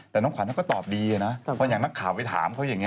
แต่น้องขวัญเขาก็ตอบดีนะเพราะอย่างนักข่าวไปถามเขาอย่างนี้